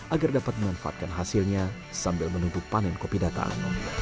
agar dapat menanfatkan hasilnya sambil menutup panen kopi datang